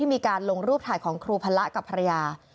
มีการลงรูปถ่ายของครูพระกับภรรยา